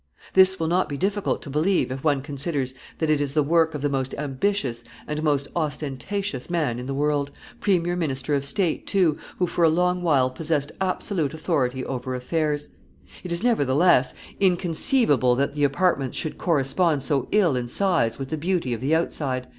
This will not be difficult to believe if one considers that it is the work of the most ambitious and most ostentatious man in the world, premier minister of state too, who for a long while possessed absolute authority over affairs. It is, nevertheless, inconceivable that the apartments should correspond so ill in size with the beauty of the outside.